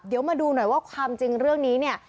เดี๋ยวมาดูหน่อยว่าความจริงเรื่องนี้เนี่ย